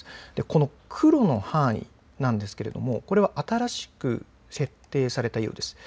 この黒の範囲ですがこれは新しく設定されたようです。